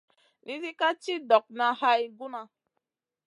Nizi ka ci ɗokŋa hay guna.